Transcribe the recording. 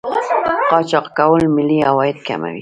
قاچاق کول ملي عواید کموي.